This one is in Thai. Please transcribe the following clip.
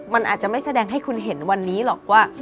มันอาจจะไม่แสดงให้คุณเห็นวันนี้หรอกว่า